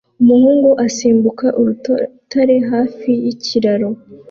Umuhungu asimbuka urutare hafi yikiraro